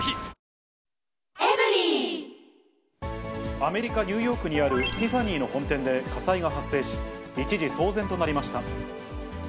アメリカ・ニューヨークにあるティファニーの本店で火災が発生し、一時騒然となりました。